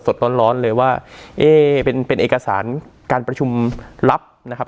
สดร้อนเลยว่าเป็นเอกสารการประชุมรับนะครับ